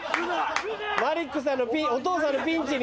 マリックさんのお父さんのピンチに。